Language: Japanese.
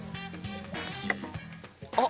あっ！